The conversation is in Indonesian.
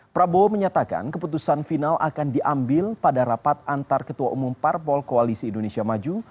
prabowo menyatakan keputusan final akan diambil pada rapat antar ketua umum parpol koalisi indonesia maju